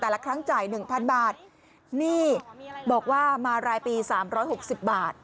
แต่ละครั้งจ่าย๑๐๐๐บาทนี่บอกว่ามารายปี๓๖๐บาท